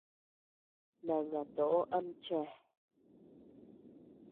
Nangatoʼo am chéa.